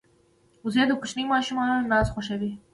وزې د کوچنیو ماشومانو ناز خوښوي